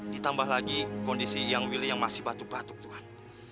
ditambah lagi kondisi yang willy yang masih batuk batuk tuhan